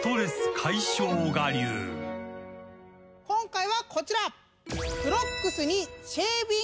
今回はこちら！